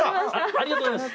ありがとうございます。